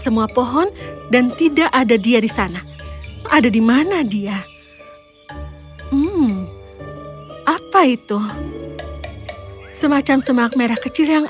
semua pohon dan tidak ada dia di sana ada dimana dia apa itu semacam semak merah kecil yang